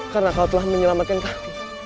karena kau telah menyelamatkan kami